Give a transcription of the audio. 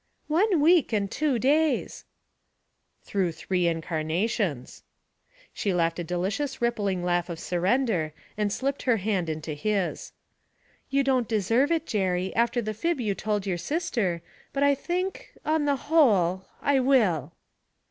'One week and two days.' 'Through three incarnations.' She laughed a delicious rippling laugh of surrender, and slipped her hand into his. 'You don't deserve it, Jerry, after the fib you told your sister, but I think on the whole I will.'